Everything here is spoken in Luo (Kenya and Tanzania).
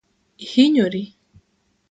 Ihinyori?